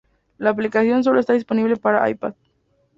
La aplicación solo está disponible para iPad.